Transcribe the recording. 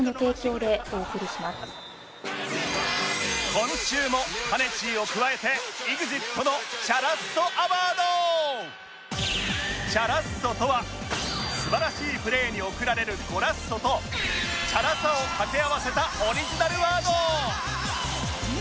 今週もかねちーを加えて「チャラッソ」とは素晴らしいプレーに送られる「ゴラッソ」と「チャラさ」を掛け合わせたオリジナルワード